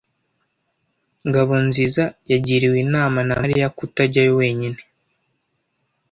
Ngabonziza yagiriwe inama na Mariya kutajyayo wenyine.